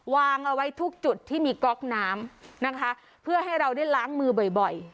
วางเอาไว้ทุกจุดที่มีก๊อกน้ำนะคะเพื่อให้เราได้ล้างมือบ่อย